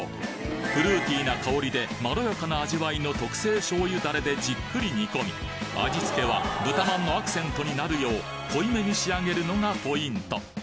フルーティーな香りでまろやかな味わいの特製醤油ダレでじっくり煮込み味付けは豚まんのアクセントになるよう濃いめに仕上げるのがポイント